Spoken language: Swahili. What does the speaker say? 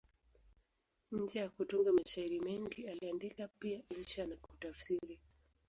Nje ya kutunga mashairi mengi, aliandika pia insha na kutafsiri.